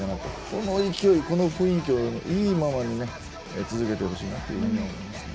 この勢いこの雰囲気をいいままに続けてほしいなと思います。